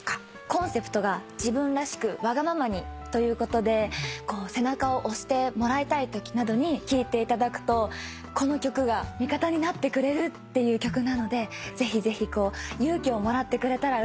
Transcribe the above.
コンセプトが「自分らしくわがままに」ということで背中を押してもらいたいときなどに聴いていただくとこの曲が味方になってくれるっていう曲なのでぜひぜひ勇気をもらってくれたらうれしいなって思います。